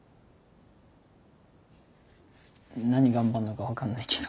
何頑張るのか分かんないけど。